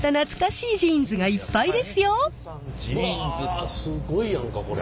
うわすごいやんかこれ。